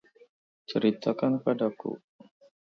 Ceritakan padaku.